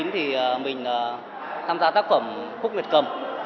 thì mình tham gia tác phẩm khúc nguyệt cầm